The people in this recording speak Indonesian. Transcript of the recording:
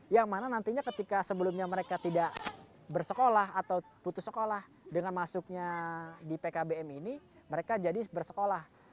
yang mana nantinya ketika sebelumnya mereka tidak bersekolah atau putus sekolah dengan masuknya di pkbm ini mereka jadi bersekolah